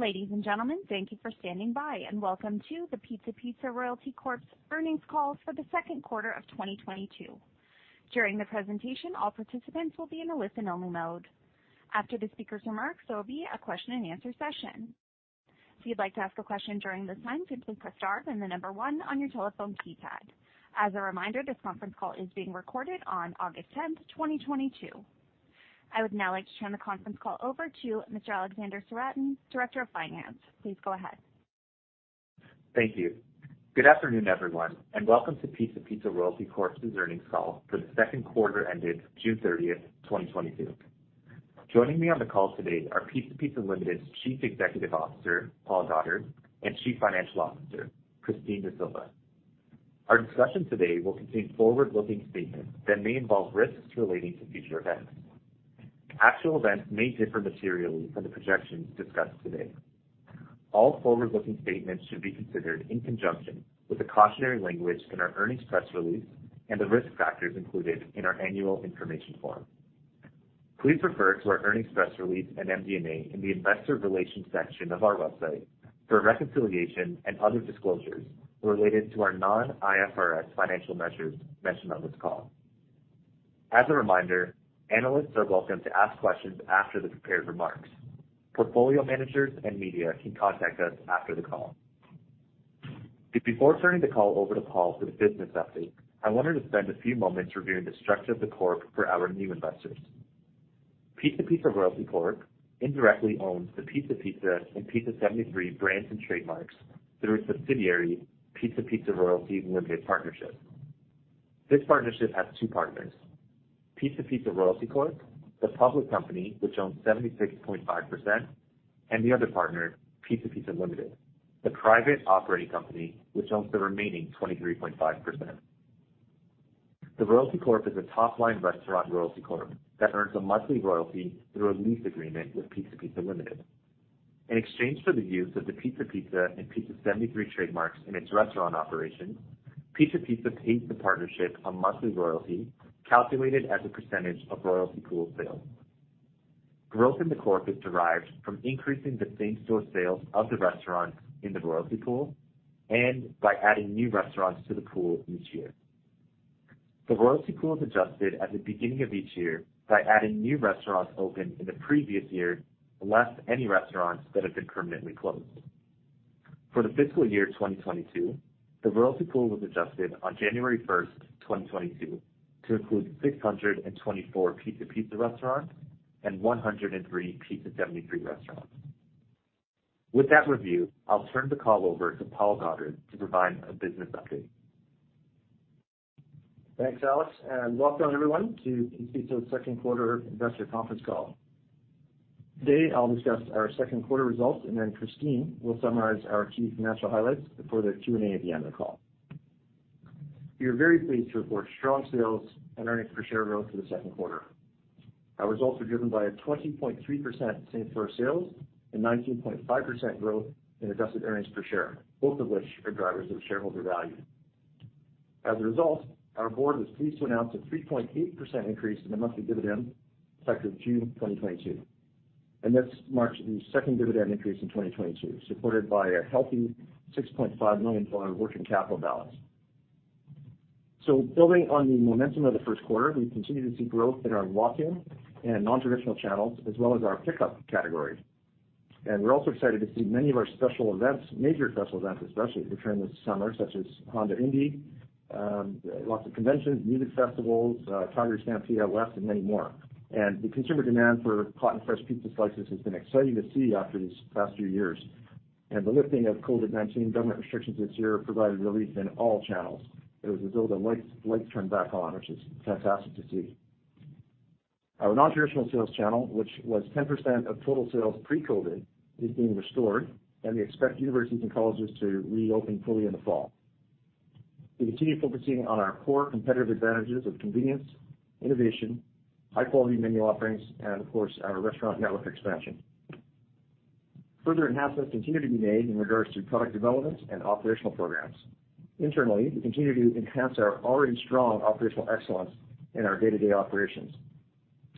Ladies and gentlemen, thank you for standing by, and welcome to the Pizza Pizza Royalty Corp.'s earnings call for the second quarter of 2022. During the presentation, all participants will be in a listen-only mode. After the speaker's remarks, there will be a question-and-answer session. If you'd like to ask a question during this time, simply press star then the number one on your telephone keypad. As a reminder, this conference call is being recorded on August 10, 2022. I would now like to turn the conference call over to Mr. Alexander Sewrattan, Director of Finance. Please go ahead. Thank you. Good afternoon, everyone, and welcome to Pizza Pizza Royalty Corp's earnings call for the second quarter ended June 30th, 2022. Joining me on the call today are Pizza Pizza Limited's Chief Executive Officer, Paul Goddard, and Chief Financial Officer, Christine D'Sylva. Our discussion today will contain forward-looking statements that may involve risks relating to future events. Actual events may differ materially from the projections discussed today. All forward-looking statements should be considered in conjunction with the cautionary language in our earnings press release and the risk factors included in our annual information form. Please refer to our earnings press release and MD&A in the investor relations section of our website for a reconciliation and other disclosures related to our non-IFRS financial measures mentioned on this call. As a reminder, analysts are welcome to ask questions after the prepared remarks. Portfolio managers and media can contact us after the call. Before turning the call over to Paul for the business update, I wanted to spend a few moments reviewing the structure of the Corp for our new investors. Pizza Pizza Royalty Corp. indirectly owns the Pizza Pizza and Pizza 73 brands and trademarks through its subsidiary, Pizza Pizza Royalty Limited Partnership. This partnership has two partners, Pizza Pizza Royalty Corp., the public company, which owns 76.5%, and the other partner, Pizza Pizza Limited, the private operating company, which owns the remaining 23.5%. The Royalty Corp is a top-line restaurant royalty corp that earns a monthly royalty through a lease agreement with Pizza Pizza Limited. In exchange for the use of the Pizza Pizza and Pizza 73 trademarks in its restaurant operations, Pizza Pizza pays the partnership a monthly royalty calculated as a percentage of royalty pool sales. Growth in the Corp is derived from increasing the same-store sales of the restaurants in the royalty pool and by adding new restaurants to the pool each year. The royalty pool is adjusted at the beginning of each year by adding new restaurants opened in the previous year, less any restaurants that have been permanently closed. For the fiscal year 2022, the royalty pool was adjusted on January 1st, 2022, to include 624 Pizza Pizza restaurants and 103 Pizza 73 restaurants. With that review, I'll turn the call over to Paul Goddard to provide a business update. Thanks, Alex, and welcome everyone to Pizza's second quarter investor conference call. Today, I'll discuss our second quarter results, and then Christine will summarize our key financial highlights before the Q&A at the end of the call. We are very pleased to report strong sales and earnings per share growth for the second quarter. Our results are driven by a 20.3% same store sales and 19.5% growth in adjusted earnings per share, both of which are drivers of shareholder value. As a result, our board was pleased to announce a 3.8% increase in the monthly dividend effective June 2022, and this marks the second dividend increase in 2022, supported by a healthy 6.5 million dollar working capital balance. So building on the momentum of the first quarter, we continue to see growth in our walk-in and non-traditional channels, as well as our pickup category. We're also excited to see many of our special events, major special events, especially return this summer, such as Honda Indy, lots of conventions, music festivals, Calgary Stampede, TIFF, and many more. And the consumer demand for hot and fresh pizza slices has been exciting to see after these past few years. The lifting of COVID-19 government restrictions this year provided relief in all channels. It was as though the lights turned back on, which is fantastic to see. Our non-traditional sales channel, which was 10% of total sales pre-COVID, is being restored, and we expect universities and colleges to reopen fully in the fall. We continue focusing on our core competitive advantages of convenience, innovation, high-quality menu offerings, and of course, our restaurant network expansion. Further enhancements continue to be made in regards to product development and operational programs. Internally, we continue to enhance our already strong operational excellence in our day-to-day operations,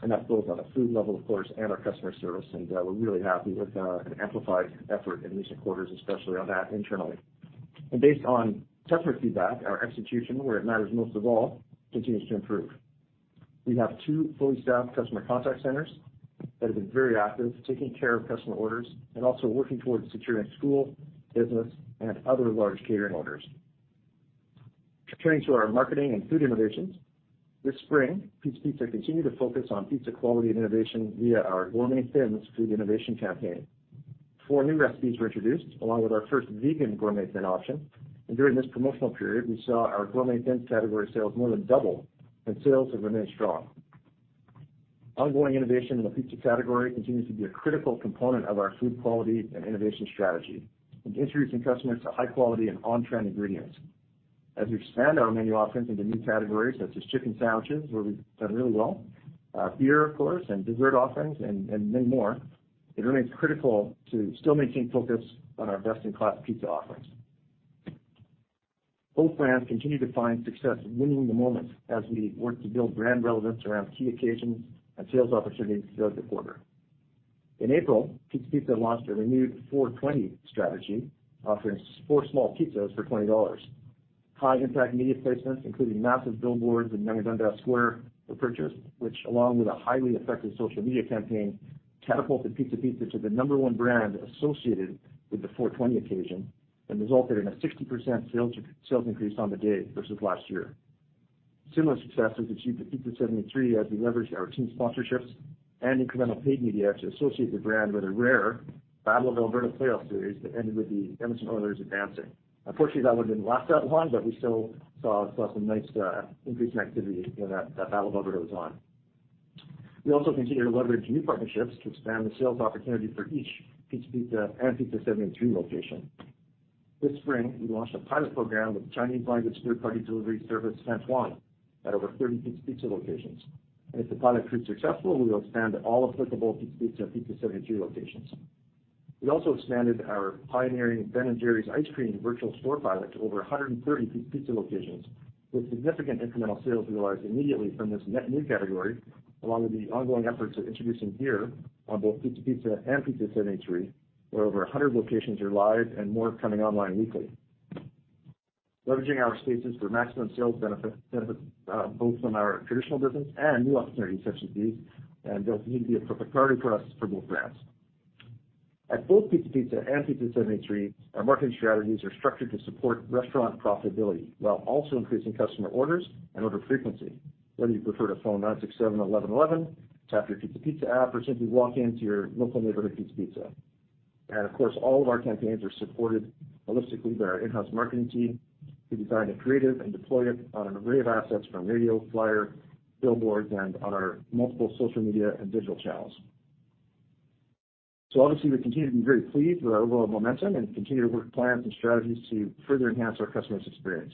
and that's both on a food level, of course, and our customer service, and, we're really happy with, an amplified effort in recent quarters, especially on that internally. And based on customer feedback, our execution, where it matters most of all, continues to improve. We have two fully staffed customer contact centers that have been very active, taking care of customer orders and also working towards securing school, business, and other large catering orders. Turning to our marketing and food innovations, this spring, Pizza Pizza continued to focus on pizza quality and innovation via our Gourmet Thins food innovation campaign. Four new recipes were introduced, along with our first vegan Gourmet Thin option, and during this promotional period, we saw our Gourmet Thins category sales more than double, and sales have remained strong. Ongoing innovation in the pizza category continues to be a critical component of our food quality and innovation strategy and introducing customers to high quality and on-trend ingredients. As we expand our menu offerings into new categories such as chicken sandwiches, where we've done really well, beer, of course, and dessert offerings and many more, it remains critical to still maintain focus on our best-in-class pizza offerings. Both brands continue to find success in winning the moment as we work to build brand relevance around key occasions and sales opportunities throughout the quarter. In April, Pizza Pizza launched a renewed 420 strategy offering four small pizzas for 20 dollars. High impact media placements, including massive billboards in Yonge-Dundas Square were purchased, which along with a highly effective social media campaign, catapulted Pizza Pizza to the number one brand associated with the 420 occasion and resulted in a 60% sales increase on the day versus last year. Similar success was achieved at Pizza 73 as we leveraged our team sponsorships and incremental paid media to associate the brand with a rare Battle of Alberta playoff series that ended with the Edmonton Oilers advancing. Unfortunately, that would have been the last one, but we still saw some nice increase in activity when that Battle of Alberta was on. We also continue to leverage new partnerships to expand the sales opportunity for each Pizza Pizza and Pizza 73 location. This spring, we launched a pilot program with Chinese-language third-party delivery service, Fantuan, at over 30 Pizza Pizza locations. If the pilot proves successful, we will expand to all applicable Pizza Pizza and Pizza 73 locations. We also expanded our pioneering Ben & Jerry's Ice Cream virtual store pilot to over 130 Pizza Pizza locations, with significant incremental sales realized immediately from this net new category, along with the ongoing efforts of introducing beer on both Pizza Pizza and Pizza 73, where over 100 locations are live and more coming online weekly. Leveraging our spaces for maximum sales benefit both on our traditional business and new opportunities such as these, and those need to be a priority for us for both brands. At both Pizza Pizza and Pizza 73, our marketing strategies are structured to support restaurant profitability while also increasing customer orders and order frequency, whether you prefer to phone 967-1111, tap your Pizza Pizza app, or simply walk into your local neighborhood Pizza Pizza. And of course, all of our campaigns are supported holistically by our in-house marketing team, who design the creative and deploy it on an array of assets from radio, flyer, billboards, and on our multiple social media and digital channels. Obviously, we continue to be very pleased with our overall momentum and continue to work plans and strategies to further enhance our customers' experience.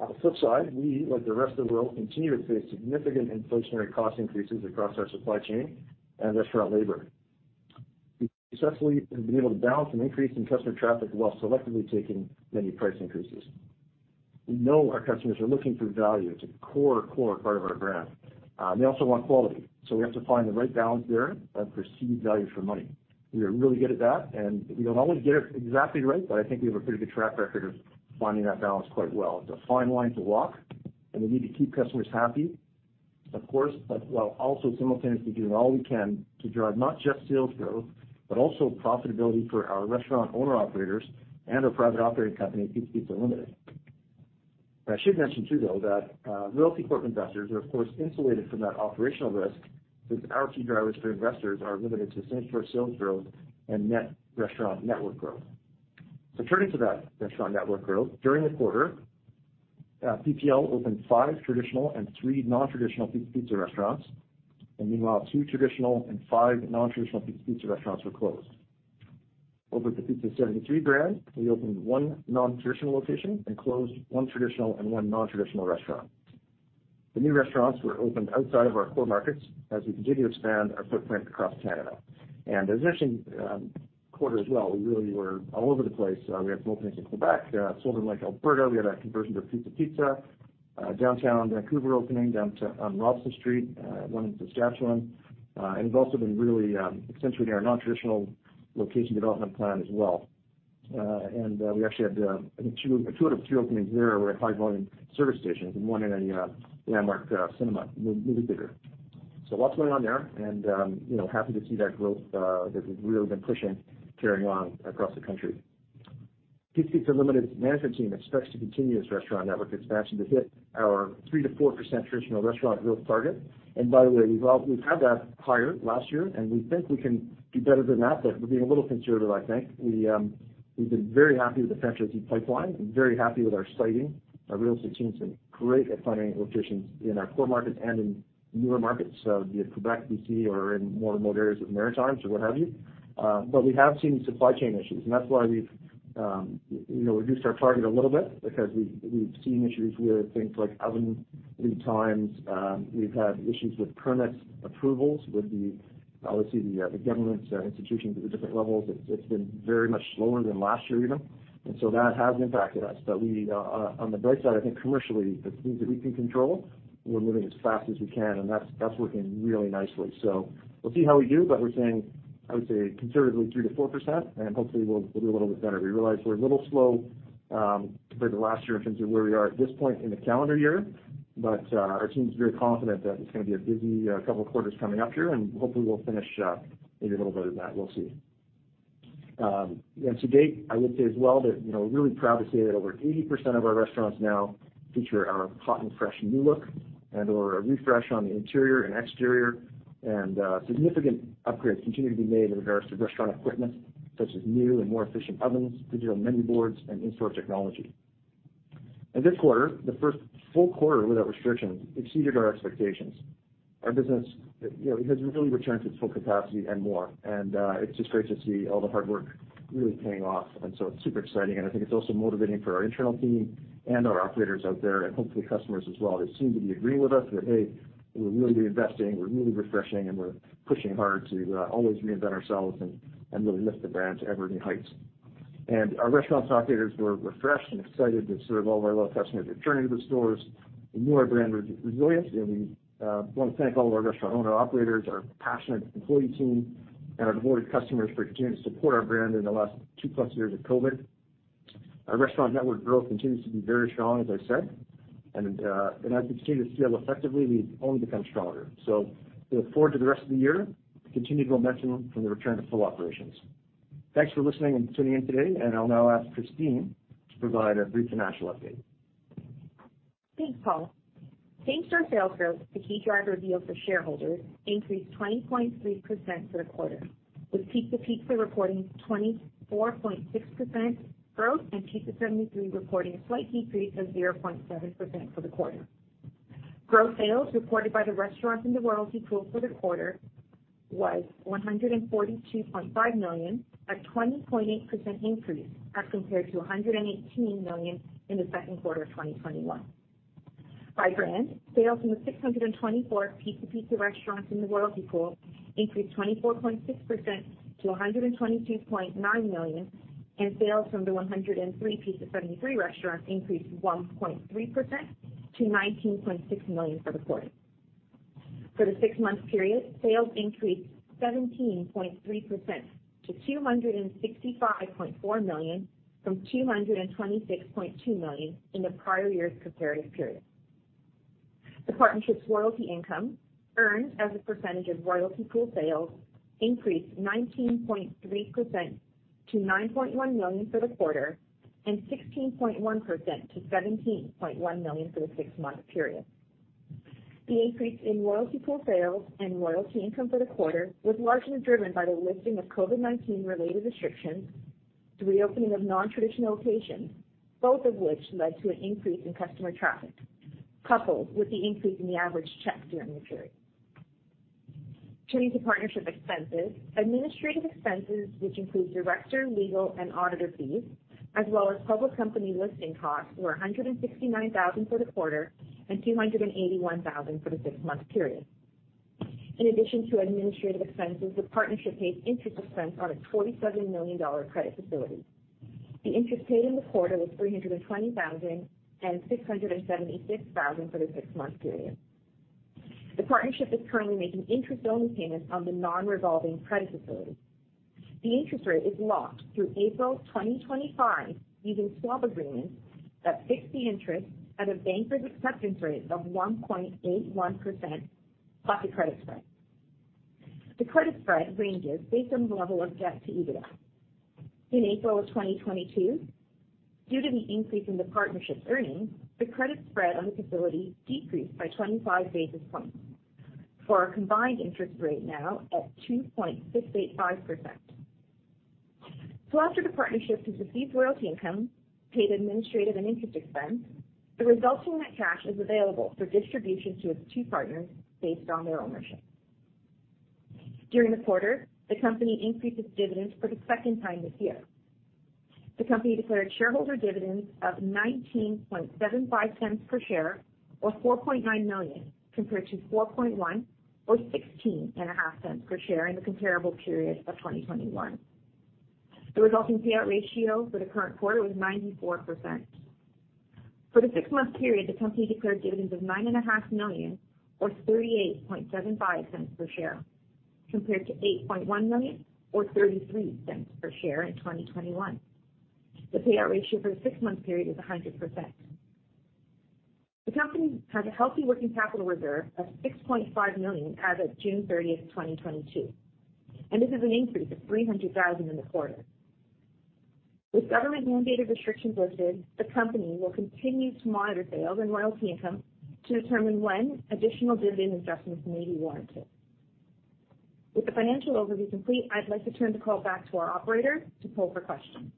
On the flip side, we, like the rest of the world, continue to face significant inflationary cost increases across our supply chain and restaurant labor. We successfully have been able to balance an increase in customer traffic while selectively taking many price increases. We know our customers are looking for value. It's a core part of our brand. They also want quality, so we have to find the right balance there of perceived value for money. We are really good at that, and we don't always get it exactly right, but I think we have a pretty good track record of finding that balance quite well. It's a fine line to walk, and we need to keep customers happy, of course, but while also simultaneously doing all we can to drive not just sales growth, but also profitability for our restaurant owner-operators and our private operating company, Pizza Pizza Limited. I should mention, too, though, that, Royalty Corp. investors are, of course, insulated from that operational risk since our key drivers for investors are limited to same-store sales growth and net restaurant network growth. Turning to that restaurant network growth, during the quarter, PPL opened five traditional and three non-traditional Pizza Pizza restaurants, and meanwhile, two traditional and five non-traditional Pizza Pizza restaurants were closed. Over at the Pizza 73 brand, we opened one non-traditional location and closed one traditional and one non-traditional restaurant. The new restaurants were opened outside of our core markets as we continue to expand our footprint across Canada. As mentioned, in the quarter as well, we really were all over the place. We had some openings in Québec, Sylvan Lake, Alberta. We had a conversion to Pizza Pizza, downtown Vancouver opening on Robson Street, one in Saskatchewan. We've also been really accentuating our non-traditional location development plan as well. We actually had, I think two out of three openings here were at high volume service stations and one in a landmark cinema movie theater. So lots going on there and, you know, happy to see that growth that we've really been pushing carrying on across the country. Pizza Pizza Limited's management team expects to continue its restaurant network expansion to hit our 3%-4% traditional restaurant growth target. And by the way, we've had that higher last year, and we think we can do better than that, but we're being a little conservative, I think. We've been very happy with the franchising pipeline and very happy with our siting. Our real estate team's been great at finding locations in our core markets and in newer markets, so be it Québec, BC, or in more and more areas of the Maritimes or what have you. We have seen supply chain issues, and that's why we've, you know, reduced our target a little bit because we've seen issues where things like oven lead times. We've had issues with permit approvals, obviously, with the government institutions at the different levels. It's been very much slower than last year even. That has impacted us. On the bright side, I think commercially, the things that we can control, we're moving as fast as we can, and that's working really nicely. So we'll see how we do, but we're saying, I would say conservatively 3%-4%, and hopefully, we'll do a little bit better. We realize we're a little slow, compared to last year in terms of where we are at this point in the calendar year, but, our team's very confident that it's gonna be a busy, couple quarters coming up here, and hopefully, we'll finish, maybe a little better than that. We'll see. To date, I would say as well that, you know, we're really proud to say that over 80% of our restaurants now feature our hot and fresh new look and/or a refresh on the interior and exterior. Significant upgrades continue to be made in regards to restaurant equipment, such as new and more efficient ovens, digital menu boards, and in-store technology. And this quarter, the first full quarter without restrictions exceeded our expectations. Our business, you know, it has really returned to its full capacity and more, and it's just great to see all the hard work really paying off. It's super exciting, and I think it's also motivating for our internal team and our operators out there, and hopefully customers as well. They seem to be agreeing with us that, hey, we're really reinvesting, we're really refreshing, and we're pushing hard to always reinvent ourselves and really lift the brand to ever new heights. Our restaurant operators were refreshed and excited to serve all our loyal customers returning to the stores. We knew our brand was resilient, and we wanna thank all of our restaurant owner operators, our passionate employee team, and our devoted customers for continuing to support our brand in the last two-plus years of COVID. Our restaurant network growth continues to be very strong, as I said, and as we continue to scale effectively, we only become stronger. So we look forward to the rest of the year, continued momentum from the return to full operations. Thanks for listening and tuning in today, and I'll now ask Christine to provide a brief financial update. Thanks, Paul. Same-store sales growth, the key driver deal for shareholders, increased 20.3% for the quarter, with Pizza Pizza reporting 24.6% growth and Pizza 73 reporting a slight decrease of 0.7% for the quarter. Gross sales reported by the restaurants in the royalty pool for the quarter was 142.5 million, a 20.8% increase as compared to 118 million in the second quarter of 2021. By brand, sales in the 624 Pizza Pizza restaurants in the royalty pool increased 24.6% to 122.9 million, and sales from the 103 Pizza 73 restaurants increased 1.3% to 19.6 million for the quarter. For the six-month period, sales increased 17.3% to 265.4 million, from 226.2 million in the prior year's comparative period. The partnership's royalty income, earned as a percentage of royalty pool sales, increased 19.3% to 9.1 million for the quarter and 16.1% to 17.1 million for the six-month period. The increase in royalty pool sales and royalty income for the quarter was largely driven by the lifting of COVID-19 related restrictions, the reopening of non-traditional locations, both of which led to an increase in customer traffic, coupled with the increase in the average check during the period. Turning to partnership expenses. Administrative expenses, which include director, legal, and auditor fees, as well as public company listing costs, were 169,000 for the quarter and 281,000 for the six-month period. In addition to administrative expenses, the partnership paid interest expense on a 27 million dollar credit facility. The interest paid in the quarter was 320,000 and 676,000 for the six-month period. The partnership is currently making interest-only payments on the non-revolving credit facility. The interest rate is locked through April 2025 using swap agreements that fix the interest at a banker's acceptance rate of 1.81% plus a credit spread. The credit spread ranges based on the level of debt to EBITDA. In April of 2022, due to the increase in the partnership's earnings, the credit spread on the facility decreased by 25 basis points for a combined interest rate now at 2.685%. After the partnership has received royalty income, paid administrative and interest expense, the resulting net cash is available for distribution to its two partners based on their ownership. During the quarter, the company increased its dividends for the second time this year. The company declared shareholder dividends of 0.1975 per share, or 4.9 million, compared to 4.1 million or 0.165 per share in the comparable period of 2021. The resulting payout ratio for the current quarter was 94%. For the six-month period, the company declared dividends of nine and a half million, or 0.3875 per share, compared to 8.1 million or 0.33 per share in 2021. The payout ratio for the six-month period is 100%. The company has a healthy working capital reserve of 6.5 million as of June 30th, 2022, and this is an increase of 300,000 in the quarter. With government-mandated restrictions lifted, the company will continue to monitor sales and royalty income to determine when additional dividend adjustments may be warranted. With the financial overview complete, I'd like to turn the call back to our operator to poll for questions.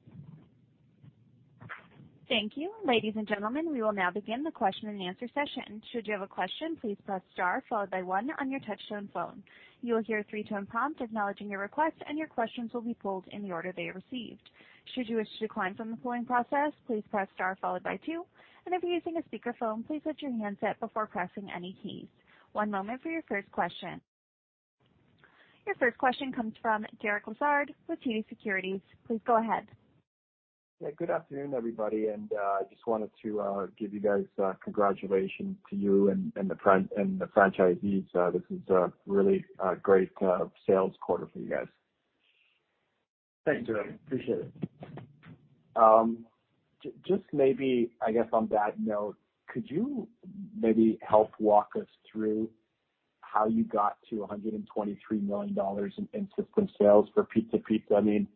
Thank you. Ladies and gentlemen, we will now begin the question and answer session. Should you have a question, please press star followed by one on your touch-tone phone. You will hear a three-tone prompt acknowledging your request, and your questions will be polled in the order they are received. Should you wish to decline from the polling process, please press star followed by two, and if you're using a speakerphone, please lift your handset before pressing any keys. One moment for your first question. Your first question comes from Derek Lessard with TD Securities. Please go ahead. Yeah, good afternoon, everybody, and just wanted to give you guys a congratulation to you and the franchisees. This is a really great sales quarter for you guys. Thanks, Derek. Appreciate it. Just maybe, I guess, on that note, could you maybe help walk us through how you got to 123 million dollars in system sales for Pizza Pizza? I mean,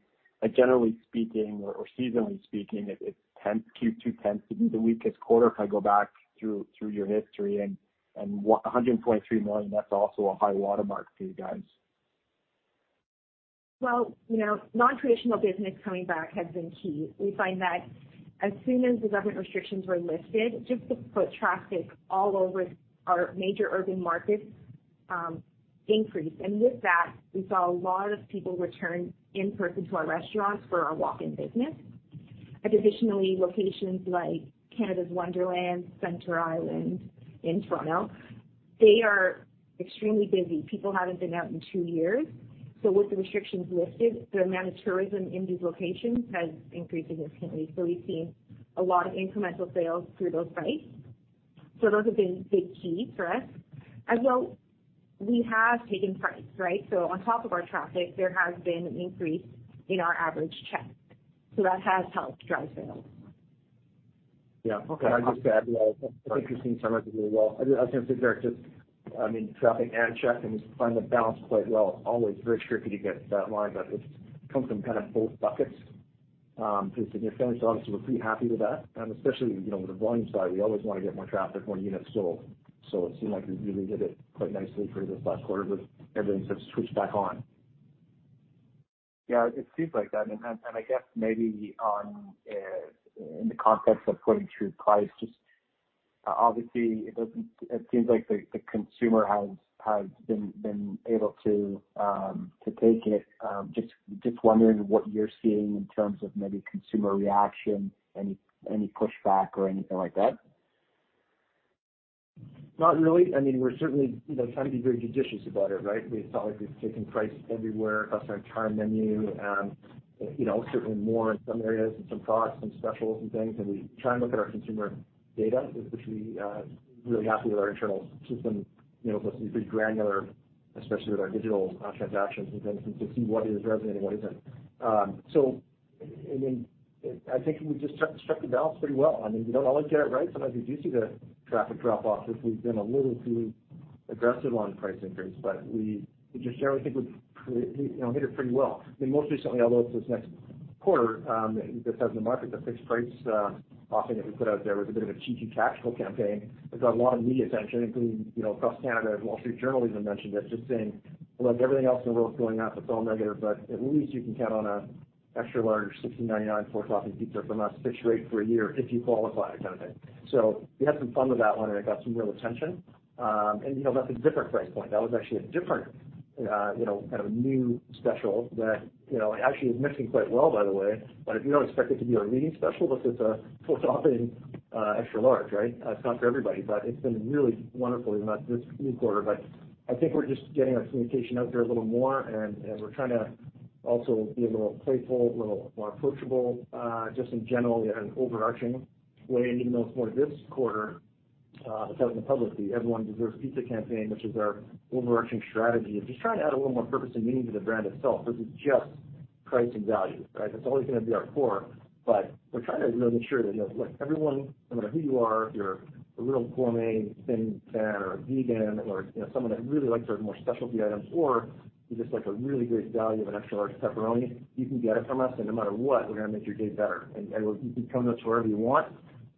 like, generally speaking or seasonally speaking, Q2 tends to be the weakest quarter if I go back through your history and 123 million, that's also a high watermark for you guys. Well, you know, non-traditional business coming back has been key. We find that as soon as the government restrictions were lifted, just the foot traffic all over our major urban markets, increased. With that, we saw a lot of people return in person to our restaurants for our walk-in business. Additionally, locations like Canada's Wonderland, Centre Island in Toronto, they are extremely busy. People haven't been out in two years. With the restrictions lifted, the amount of tourism in these locations has increased significantly. We've seen a lot of incremental sales through those sites. Those have been big keys for us. As well, we have taken price, right? On top of our traffic, there has been an increase in our average check. That has helped drive sales. Yeah. Can I just add as well? I think you've summarized it really well. I was gonna say, Derek, just, I mean, traffic and check, and we find the balance quite well. It's always very tricky to get that line, but it's come from kind of both buckets, pretty significantly. Obviously, we're pretty happy with that, especially, you know, with the volume side, we always wanna get more traffic, more units sold. It seemed like we really did it quite nicely through this last quarter with everything sort of switched back on. Yeah, it seems like that. I guess maybe on inflation in the context of putting through price, just obviously it seems like the consumer has been able to take it. Just wondering what you're seeing in terms of maybe consumer reaction, any pushback or anything like that. Not really. I mean, we're certainly, you know, trying to be very judicious about it, right? It's not like we've taken price everywhere across our entire menu. You know, certainly more in some areas and some products, some specials and things. We try and look at our consumer data, which we really happy with our internal system, you know, it lets us be pretty granular, especially with our digital transactions and things. To see what is resonating, what isn't. I mean, I think we just struck the balance pretty well. I mean, we don't always get it right. Sometimes we do see the traffic drop off if we've been a little too aggressive on price increase, but we just generally think we've, you know, hit it pretty well. I mean, most recently, although it's this next quarter, that has in the market, the fixed price offering that we put out there was a bit of a cheeky tactical campaign. It got a lot of media attention, including, you know, across Canada, Wall Street Journal even mentioned it, just saying, "Look, everything else in the world's going on that's all negative, but at least you can count on an extra large 16.99, four-topping pizza from us, fixed rate for a year if you qualify," kind of thing. We had some fun with that one, and it got some real attention. And you know, that's a different price point. That was actually a different, you know, kind of a new special that, you know, actually is mixing quite well, by the way. We don't expect it to be our leading special because it's a four-topping, extra large, right? It's not for everybody, but it's been really wonderful even this new quarter. I think we're just getting our communication out there a little more, and we're trying to also be a little playful, a little more approachable, just in general in an overarching way. Even though it's more this quarter, that's out in the publicly Everyone Deserves Pizza campaign, which is our overarching strategy of just trying to add a little more purpose and meaning to the brand itself versus just price and value, right? That's always gonna be our core, but we're trying to really make sure that, you know, look, everyone, no matter who you are, if you're a real gourmet thin fan or a vegan or, you know, someone that really likes our more specialty items, or you just like a really great value of an extra large pepperoni, you can get it from us, and no matter what, we're gonna make your day better. And you can come to us wherever you want,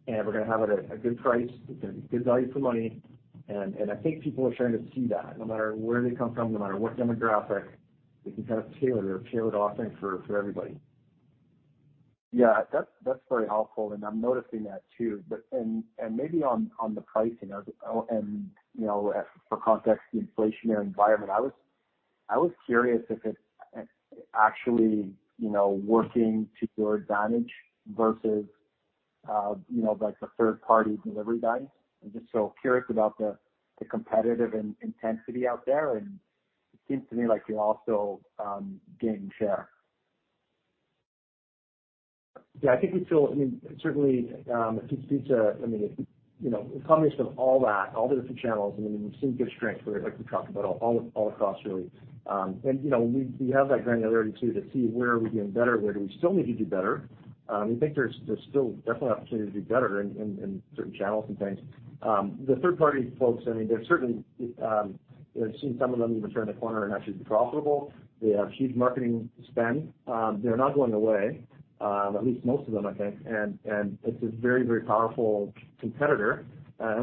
and we're gonna have it at a good price. It's gonna be good value for money. I think people are starting to see that. No matter where they come from, no matter what demographic, we can kind of tailor the offering for everybody. Yeah. That's very helpful, and I'm noticing that too. But maybe on the pricing, you know, as for context, the inflationary environment, I was curious if it's actually working to your advantage versus, you know, like the third party delivery guys. I'm just so curious about the competitive intensity out there, and it seems to me like you're also gaining share. Yeah. I think I mean, certainly, at Pizza Pizza, I mean, you know, a combination of all that, all the different channels. I mean, we've seen good strength for it, like we talked about all across really. And you know, we have that granularity too to see where are we doing better, where do we still need to do better. We think there's still definitely opportunity to do better in certain channels and things. The third party folks, I mean, they're certainly, you know, we've seen some of them even turn the corner and actually be profitable. They have huge marketing spend. They're not going away, at least most of them, I think. And it's a very powerful competitor.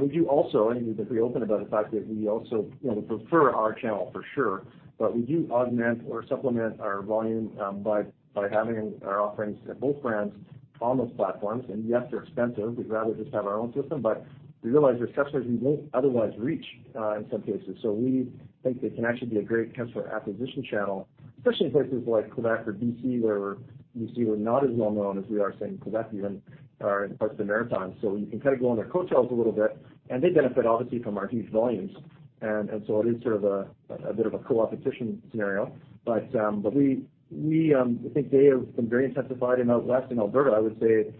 We do also, I mean, we've been pretty open about the fact that we also, you know, prefer our channel for sure. We do augment or supplement our volume by having our offerings at both brands on those platforms. Yes, they're expensive. We'd rather just have our own system, but we realize there's customers we won't otherwise reach in some cases. We think they can actually be a great customer acquisition channel, especially in places like Quebec or BC, where in BC, we're not as well known as we are, say, in Quebec even, or in parts of the Maritimes. We can kind of go on their coattails a little bit, and they benefit obviously from our huge volumes. It is sort of a bit of a co-opetition scenario. But we, I think they have been very incentivized out West. In Alberta, I would say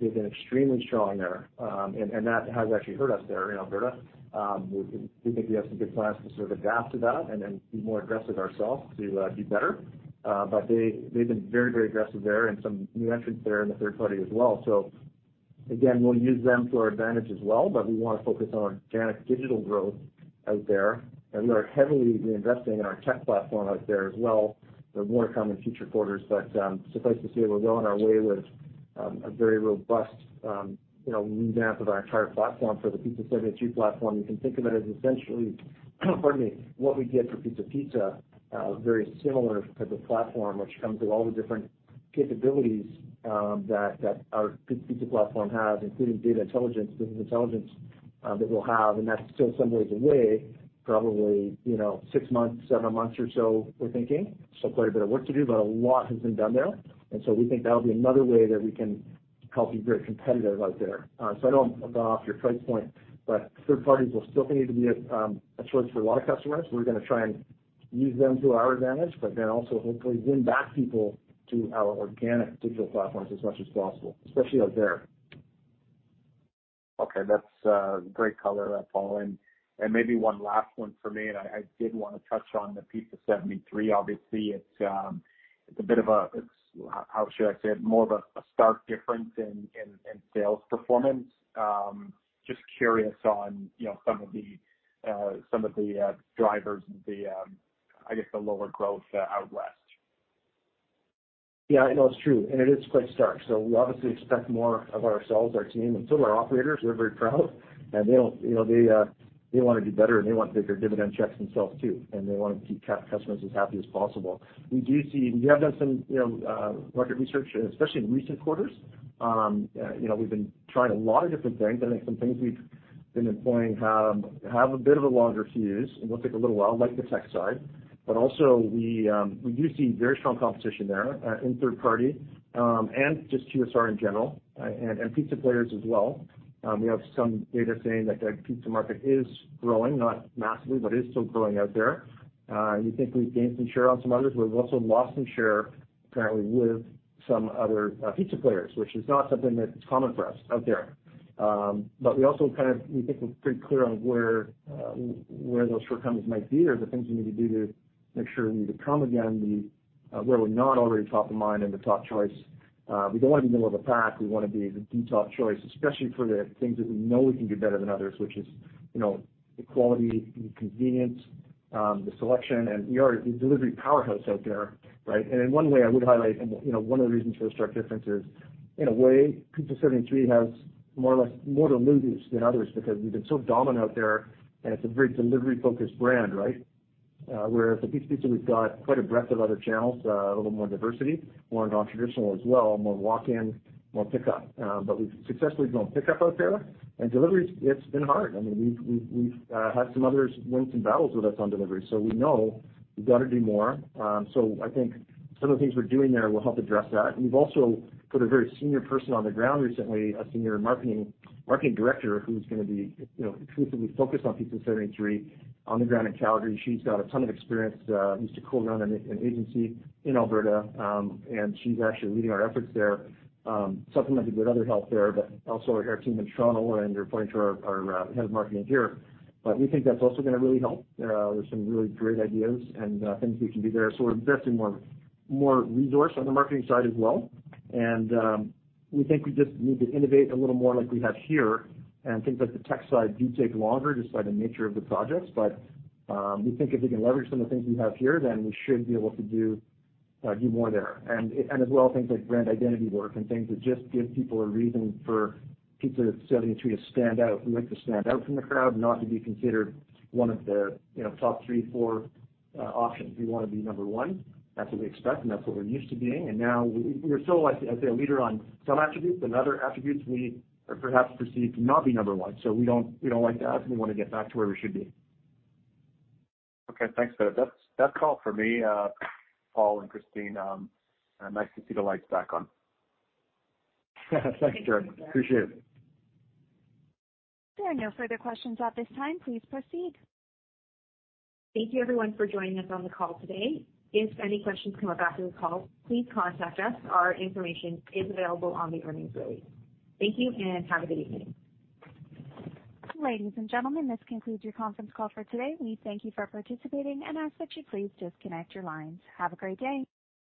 they've been extremely strong there. That has actually hurt us there in Alberta. We think we have some good plans to sort of adapt to that and then be more aggressive ourselves to do better. They've been very aggressive there and some new entrants there in the third-party as well. So we'll use them to our advantage as well, but we want to focus on organic digital growth out there. And we are heavily reinvesting in our tech platform out there as well. They're more common in future quarters, but suffice to say, we're well on our way with a very robust, you know, new ramp of our entire platform. For the Pizza 73 platform, you can think of it as essentially, pardon me, what we did for Pizza Pizza, very similar type of platform which comes with all the different capabilities that our Pizza Pizza platform has, including data intelligence, business intelligence that we'll have, and that's still some ways away, probably, you know, six months, seven months or so, we're thinking. Still quite a bit of work to do, but a lot has been done there. We think that'll be another way that we can help be very competitive out there. I know I'm going off your price point, but third parties will still need to be a choice for a lot of customers. We're gonna try and use them to our advantage, but then also hopefully win back people to our organic digital platforms as much as possible, especially out there. Okay, that's great color, Paul. Maybe one last one for me, and I did wanna touch on the Pizza 73. Obviously, it's how should I say it? More of a stark difference in sales performance. Just curious on, you know, some of the drivers and, I guess, the lower growth out West. Yeah, no, it's true, and it is quite stark. We obviously expect more of ourselves, our team, and so do our operators. We're very proud, and they don't, you know, they wanna do better, and they want bigger dividend checks themselves, too, and they wanna keep customers as happy as possible. We do see. We have done some, you know, market research, especially in recent quarters. You know, we've been trying a lot of different things. I think some things we've been employing have a bit of a longer fuse and will take a little while, like the tech side. But we also do see very strong competition there in third party and just QSR in general and pizza players as well. We have some data saying that the pizza market is growing, not massively, but is still growing out there. We think we've gained some share on some others. We've also lost some share, apparently, with some other pizza players, which is not something that's common for us out there. But we also kind of think we're pretty clear on where those shortcomings might be or the things we need to do to make sure we become again where we're not already top of mind and the top choice. We don't wanna be middle of the pack. We wanna be the top choice, especially for the things that we know we can do better than others, which is, you know, the quality, the convenience, the selection. And we are the delivery powerhouse out there, right? In one way, I would highlight, you know, one of the reasons for the stark difference is, in a way, Pizza 73 has more or less more to lose than others because we've been so dominant out there, and it's a very delivery-focused brand, right? Whereas at Pizza Pizza, we've got quite a breadth of other channels, a little more diversity, more non-traditional as well, more walk-in, more pickup. But we've successfully grown pickup out there. Deliveries, it's been hard. I mean, we've had some others win some battles with us on delivery, so we know we've gotta do more. So I think some of the things we're doing there will help address that. We've also put a very senior person on the ground recently, a senior marketing director who's gonna be, you know, exclusively focused on Pizza 73 on the ground in Calgary. She's got a ton of experience, used to co-run an agency in Alberta, and she's actually leading our efforts there, supplemented with other help there, but also our team in Toronto and reporting to our head of marketing here. We think that's also gonna really help. There's some really great ideas and things we can do there. We're investing more resource on the marketing side as well. We think we just need to innovate a little more like we have here. Things like the tech side do take longer just by the nature of the projects. But we think if we can leverage some of the things we have here, then we should be able to do more there. As well, things like brand identity work and things that just give people a reason for Pizza 73 to stand out. We'd like to stand out from the crowd, not to be considered one of the, you know, top three, four options. We wanna be number one. That's what we expect, and that's what we're used to being. Now we're still, I'd say, a leader on some attributes, but in other attributes, we are perhaps perceived to not be number one. We don't like that, and we wanna get back to where we should be. Okay, thanks for that. That's all for me, Paul and Christine. Nice to see the lights back on. Thanks, Derek. Appreciate it. There are no further questions at this time. Please proceed. Thank you everyone for joining us on the call today. If any questions come about after the call, please contact us. Our information is available on the earnings release. Thank you, and have a good evening. Ladies and gentlemen, this concludes your conference call for today. We thank you for participating and ask that you please disconnect your lines. Have a great day.